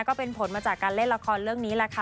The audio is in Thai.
ก็เป็นผลมาจากการเล่นละครเรื่องนี้แหละค่ะ